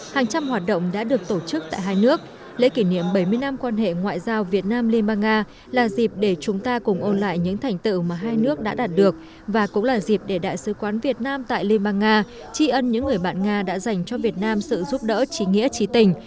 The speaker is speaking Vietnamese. hàng trăm hoạt động đã được tổ chức tại hai nước lễ kỷ niệm bảy mươi năm quan hệ ngoại giao việt nam liên bang nga là dịp để chúng ta cùng ôn lại những thành tựu mà hai nước đã đạt được và cũng là dịp để đại sứ quán việt nam tại liên bang nga tri ân những người bạn nga đã dành cho việt nam sự giúp đỡ trí nghĩa trí tình